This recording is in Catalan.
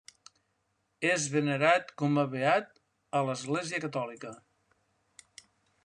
És venerat com a beat a l'Església catòlica.